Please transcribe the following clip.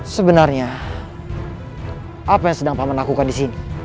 sebenarnya apa yang sedang paman lakukan disini